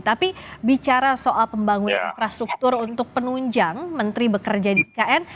tapi bicara soal pembangunan infrastruktur untuk penunjang menteri bekerja di ikn